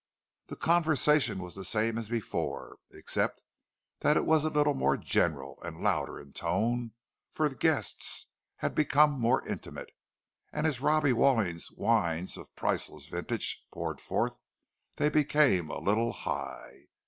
The conversation was the same as before, except that it was a little more general, and louder in tone; for the guests had become more intimate, and as Robbie Walling's wines of priceless vintage poured forth, they became a little "high."